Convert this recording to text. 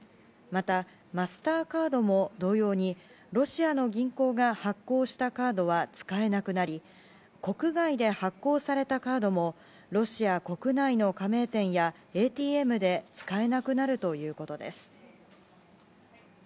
また、マスターカードも同様にロシアの銀行が発行したカードは使えなくなり国外で発行されたカードもロシア国内の加盟店やＡＴＭで使えなくなるということです。